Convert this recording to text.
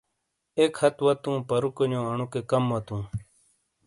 ایک ہَتھ وَتُوں، پَرُوکونیوانوکے کم وَتُوں۔